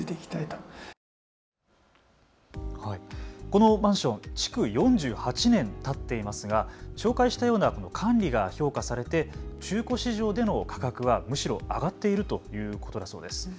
このマンション、築４８年たっていますが紹介したような管理が評価されて中古市場での価格はむしろ上がっているということだそうです。